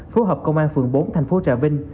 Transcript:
phối hợp công an phường bốn thành phố trà vinh